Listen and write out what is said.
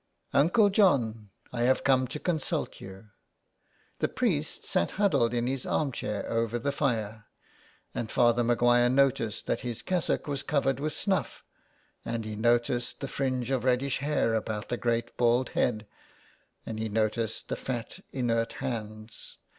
'^" Uncle John, I have come to consult you." The priest sat huddled in his arm chair over the fire, and Father Maguire noticed that his cassock was covered with snuff, and he noticed the fringe of reddish hair about the great bald head, and he noticed the fat inert hands.